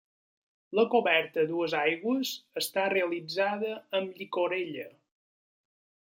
La coberta a dues aigües està realitzada amb llicorella.